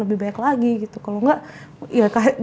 lebih baik lagi gitu kalau gak